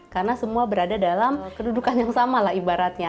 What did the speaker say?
karena semua berada dalam kedudukan yang sama lah ibaratnya